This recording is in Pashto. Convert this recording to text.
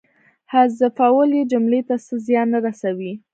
حذفول یې جملې ته څه زیان نه رسوي.